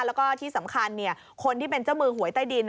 แล้วก็ที่สำคัญคนที่เป็นเจ้ามือหวยใต้ดิน